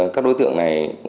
các đối tượng này